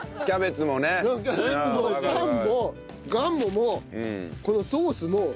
キャベツもパンもがんももこのソースも。